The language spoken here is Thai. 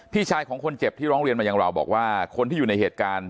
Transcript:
พี่ชายของคนเจ็บที่ร้องเรียนมาอย่างเราบอกว่าคนที่อยู่ในเหตุการณ์